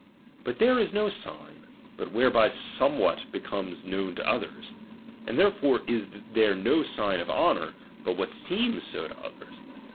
But there is no sign, but whereby somewhat becomes known to others ; and therefore is there no sign of honour, but what seems so to others.